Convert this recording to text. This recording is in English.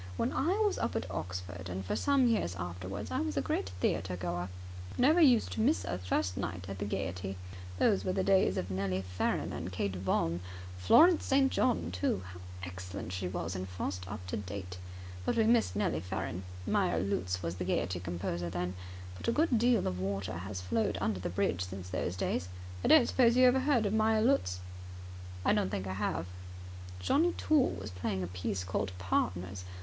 When I was up at Oxford, and for some years afterwards, I was a great theatre goer. Never used to miss a first night at the Gaiety. Those were the days of Nellie Farren and Kate Vaughan. Florence St. John, too. How excellent she was in Faust Up To Date! But we missed Nellie Farren. Meyer Lutz was the Gaiety composer then. But a good deal of water has flowed under the bridge since those days. I don't suppose you have ever heard of Meyer Lutz?" "I don't think I have." "Johnnie Toole was playing a piece called Partners.